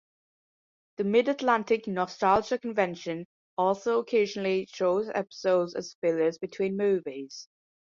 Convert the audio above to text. The Mid-Atlantic Nostalgia Convention also occasionally shows episodes as fillers between movies.